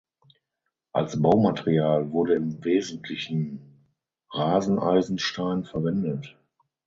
Als Baumaterial wurde im Wesentlichen Raseneisenstein verwendet.